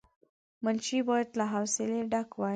منشي باید له حوصله ډک وای.